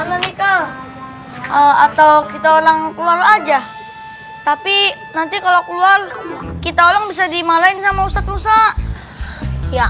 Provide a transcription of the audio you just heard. atau kita orang keluar aja tapi nanti kalau keluar kita orang bisa dimalain sama ustadz musa ya